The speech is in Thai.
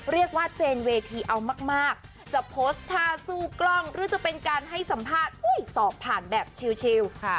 เรียกว่าเจนเวทีเอามากจะโพสทาสู้กล้องหรือจะเป็นการให้สัมภาษณ์อุ้ยสอบผ่านแบบชิลค่ะ